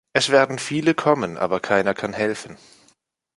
Es werden viele kommen, aber keiner kann helfen.